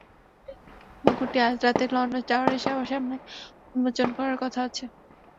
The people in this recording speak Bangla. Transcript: মুকুটটি আজ রাতে লন্ডন টাওয়ারে সবার সামনে উন্মোচন করার কথা আছে।